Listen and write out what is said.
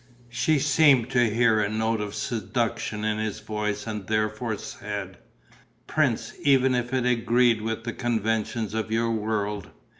She seemed to hear a note of seduction in his voice and therefore said: "Prince, even if it agreed with the conventions of your world